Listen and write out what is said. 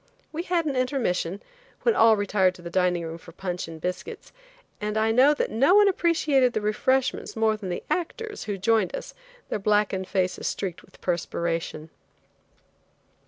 We had an intermission, when all retired to the dining room for punch and biscuits, and I know that no one appreciated the refreshments more than the actors, who joined us, their blackened faces streaked with perspiration.